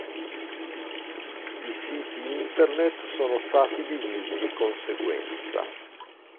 I siti internet sono stati divisi di conseguenza.